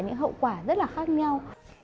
những hậu quả rất là khác nhau